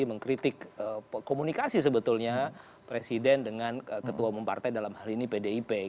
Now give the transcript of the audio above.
mengkritik komunikasi sebetulnya presiden dengan ketua umum partai dalam hal ini pdip